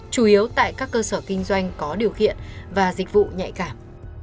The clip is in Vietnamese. chủ yếu tại các cơ sở kinh doanh có điều kiện và dịch vụ nhạy cảm